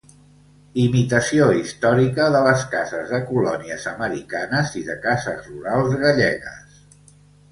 Imitació històrica de les cases de colònies americanes i de cases rurals Gallegues.